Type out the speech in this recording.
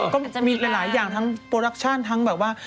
ก็มีหลายอย่างทั้งโปรดักชั่นทั้งแบบว่า